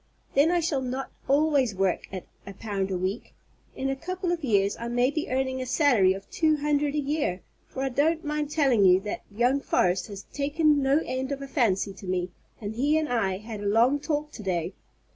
Then I shall not always work at a pound a week. In a couple of years I may be earning a salary of two hundred a year, for I don't mind telling you that young Forrest has taken no end of a fancy to me, and he and I had a long talk to day.